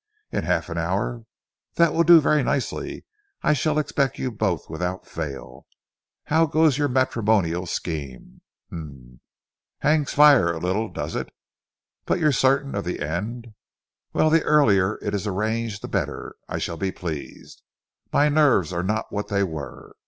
In half an hour? That will do very nicely. I shall expect you both without fail. How goes your matrimonial scheme?... Um! Hangs fire a little does it, but you're certain of the end. Well the earlier it is arranged, the better I shall be pleased. My nerves are not what they were.